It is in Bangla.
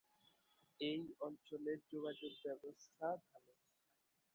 এই অঞ্চলের যোগাযোগ ব্যবস্থা ভাল।